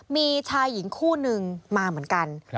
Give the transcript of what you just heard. มีชายหญิงคู่นึงมาเหมือนกัน